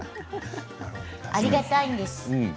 ありがたいです。